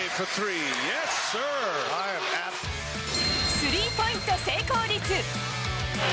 スリーポイント成功率。